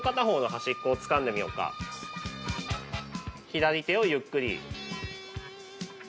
左手をゆっくり。